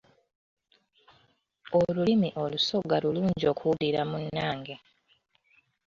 Olulimi olusoga lulungi okuwulira munnange.